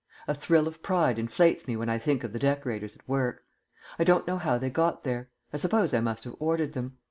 A thrill of pride inflates me when I think of the decorators at work. I don't know how they got there; I suppose I must have ordered them.